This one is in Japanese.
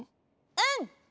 うん！